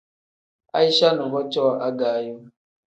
Aicha nuvo cooo agaayo.